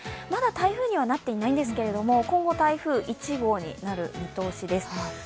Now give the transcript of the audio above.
まだ台風にはなっていないんですけれども今後台風１号になる見通しです。